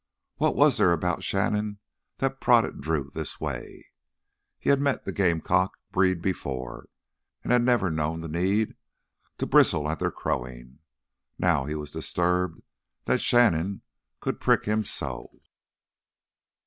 What was there about Shannon that prodded Drew this way? He'd met the gamecock breed before and had never known the need to bristle at their crowing. Now he was disturbed that Shannon could prick him so.